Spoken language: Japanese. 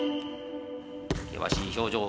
険しい表情。